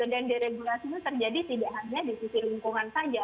dan deregulasi itu terjadi tidak hanya di sisi lingkungan saja